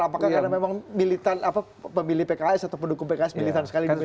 apakah karena memang militan pemilih pks atau pendukung pks militan sekali di media sosial